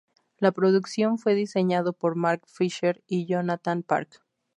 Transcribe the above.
La producción fue diseñado por Mark Fisher y Jonathan Park.